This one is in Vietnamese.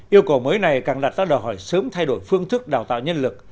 yêu cầu mới này càng đặt ra đòi hỏi sớm thay đổi phương thức đào tạo nhân lực